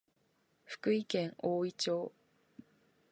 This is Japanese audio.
福井県おおい町